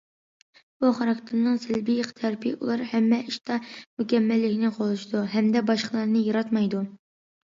بۇ خاراكتېرنىڭ سەلبىي تەرىپى، ئۇلار ھەممە ئىشتا مۇكەممەللىكنى قوغلىشىدۇ، ھەمدە باشقىلارنى ياراتمايدۇ.